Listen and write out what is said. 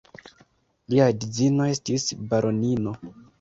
Lia edzino estis baronino.